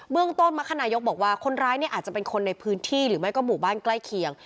เรื่องต้นมรคนายกบอกว่าคนร้ายเนี่ยอาจจะเป็นคนในพื้นที่หรือไม่ก็หมู่บ้านใกล้เคียง